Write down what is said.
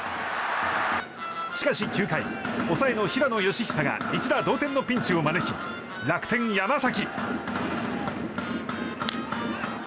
しかし９回、抑えの平野佳寿が一打同点のピンチを招き楽天、山崎。